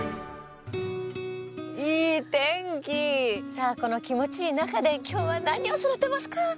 さあこの気持ちいい中で今日は何を育てますか？